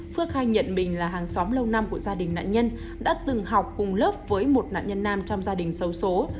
phước khai nhận mình là hàng xóm lâu năm của gia đình nạn nhân đã từng học cùng lớp với một nạn nhân nam trong gia đình xấu xố